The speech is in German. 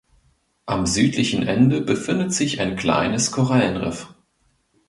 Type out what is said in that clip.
Am südlichen Ende befindet sich ein kleines Korallenriff.